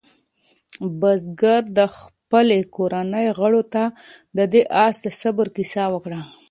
بزګر د خپلې کورنۍ غړو ته د دې آس د صبر کیسه وکړه.